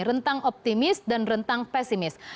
rentang optimis dan rentang pesimis